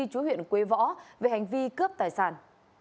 chú huyện quế võ về hành vi cướp tài sản